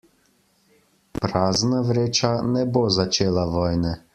Prazna vreča ne bo začela vojne.